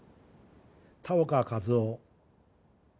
田岡一雄。